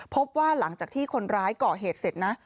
พบว่าหลังจากที่คนร้ายก่อเหตุเสร็จนะ